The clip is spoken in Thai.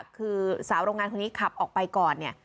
คือสาวโรงงานคนนี้ขับออกไปก่อนเนี่ย